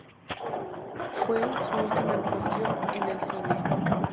Fue su última actuación en el cine.